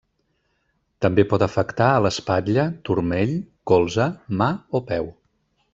També pot afectar a l'espatlla, turmell, colze, mà o peu.